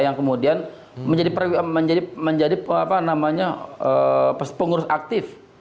yang kemudian menjadi pengurus aktif